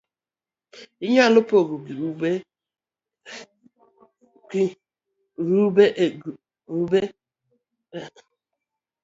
Inyalo pango penjo e grube kaluore koda chalruok man e kind grubego